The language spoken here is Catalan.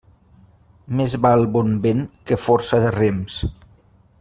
Més val bon vent que força de rems.